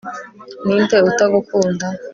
ninde utagukunda